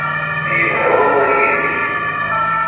Yelha wawal yid-k.